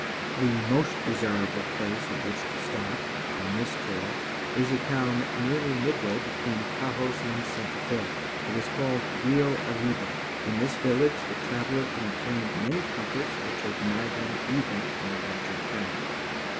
The most desirable place at which to stop, on this trail, is a town nearly midway between Taos and Santa Fé. It is called Rio Arriba. In this village, the traveler can obtain many comforts which are denied him even in the larger towns.